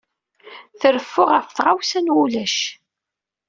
Treffu ɣef tɣawsa n wulac.